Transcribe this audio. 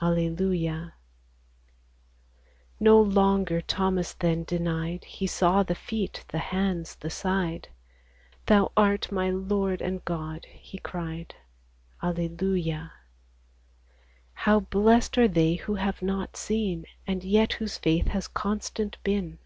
Alleluia ! No longer Thomas then denied ; He saw the feet, the hands, the side :" Thou art my Lord and God," he cried. Alleluia ! How blest are they who have not seen, And yet whose faith has constant been